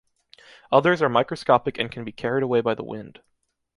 Others are microscopic and can be carried away by the wind.